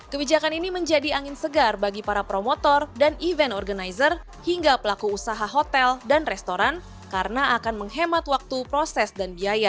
kebijakan ini menjadi angin segar bagi para promotor dan event organizer hingga pelaku usaha hotel dan restoran karena akan menghemat waktu proses dan biaya